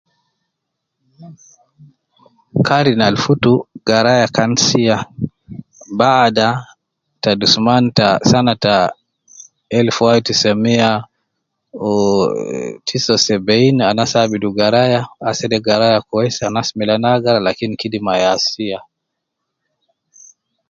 Karni al futu garaya kan sia, baada ta dusuman ta sana ta elf wai tisa mia wu eh tisa wu sebein anas abidu garaya, asede garaya kwesi, anas milan agara lakin kidima ya sia.